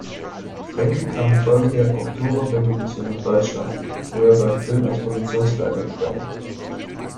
Frenke kam infolge der Oktoberrevolution nach Deutschland, wo er beim Film als Produktionsleiter begann.